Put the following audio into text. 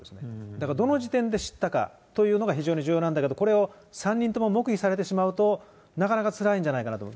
だからどの時点で知ったかというのが非常に重要なんだけど、これを３人とも黙秘されてしまうと、なかなかつらいんじゃないかなと思う。